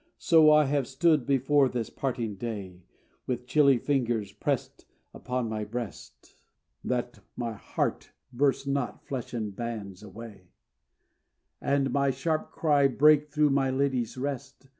So have I stood before this parting day, With chilly fingers pressed upon my breast, That my heart burst not fleshen bands away, And my sharp cry break through my lady's rest.